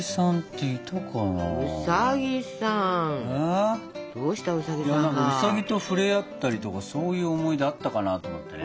いや何かウサギと触れ合ったりとかそういう思い出あったかなと思ってね。